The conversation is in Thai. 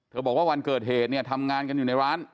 บอกว่าวันเกิดเหตุเนี่ยทำงานกันอยู่ในร้าน